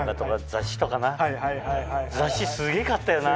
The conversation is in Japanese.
雑誌すげぇ買ったよな。